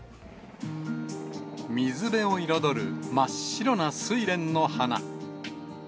水辺を彩る真っ白なスイレンの花。